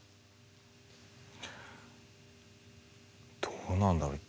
どうなんだろう。